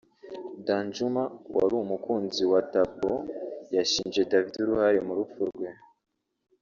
Danjuma wari umukunzi wa Tagbo yashinje Davido uruhare mu rupfu rwe